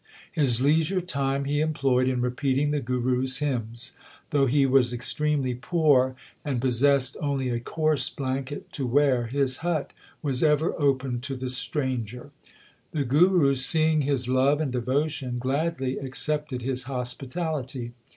His leisure time he employed in repeating the Guru s hymns. Though he was extremely poor, and possessed only a coarse blanket to wear, his hut was ever open to the stranger. The Guru seeing his love and devotion gladly accepted his hospitality.